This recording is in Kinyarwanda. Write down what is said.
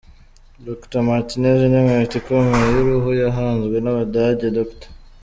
Dr Martens ni inkweto ikomeye y’uruhu yahanzwe n’Abadage, Dr.